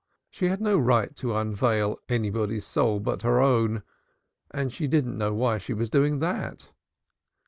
She had no right to unveil anybody's soul but her own and she didn't know why she was doing that.